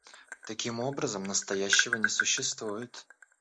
Таким образом, настоящего не существует.